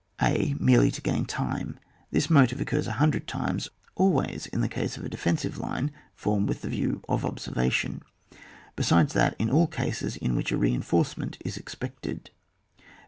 a. Merely to gain time. This motive occurs a hundred times : always in the case of a defensive line formed with the view of observation ; besides that, in all cases in which a reinforcement is expected.